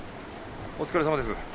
お疲れさまです。